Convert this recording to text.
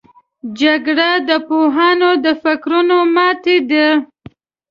جګړه د پوهانو د فکرونو ماتې ده